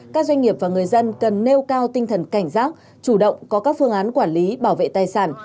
các doanh nghiệp và người dân cần nêu cao tinh thần cảnh giác chủ động có các phương án quản lý bảo vệ tài sản